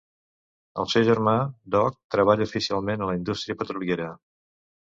El seu germà Doc treballa oficialment a la indústria petroliera.